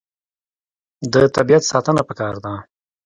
د طبیعت ساتنه پکار ده.